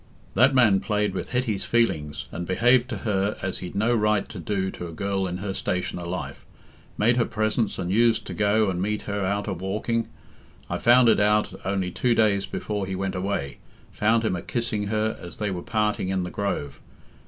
"That man played with Hetty's feelings, and behaved to her as he'd no right to do to a girl in her station o' life—made her presents and used to go and meet her out a walking. I found it out only two days before he went away—found him a kissing her as they were parting in the Grove.